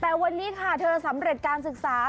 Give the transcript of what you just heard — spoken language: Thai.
แต่วันนี้ค่ะเธอสำเร็จการศึกษา